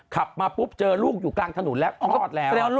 ขับมาปุ๊บเจอลูกอยู่กลางถนนแล้วคลอดแล้ว